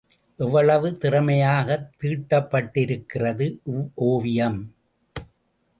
எவ்வளவு திறமையாகத் தீட்டப்பட்டிருக்கிறது இவ்வோவியம்!